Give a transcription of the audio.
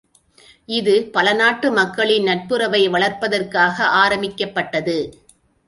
இது பல நாட்டு மக்களின் நட்புறவை வளர்ப்பதற்காக ஆரம்பிக்கப்பட்டது.